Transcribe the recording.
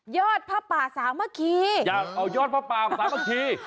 ยอดพระป่าสามคีย์อยากเอายอดพระป่าสามคีย์